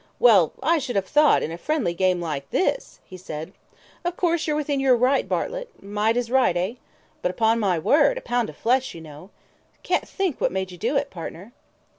"Well, I should have thought in a friendly game like this " he said. "Of course, you're within your right, Bartlett: might is right, hey? but upon my word, a pound of flesh, you know. ... Can't think what made you do it, partner."